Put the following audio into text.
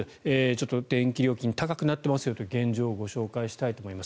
電気料金高くなっていますよという現状をご紹介したいと思います。